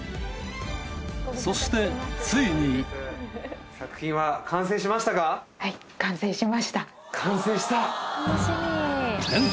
そしてついに完成した。